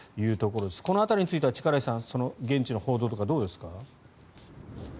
この辺りについては力石さん現地の報道とかどうですか？